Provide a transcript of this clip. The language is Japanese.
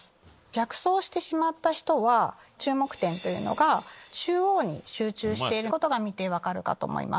逆走してしまった人は注目点というのが中央に集中していることが見て分かるかと思います。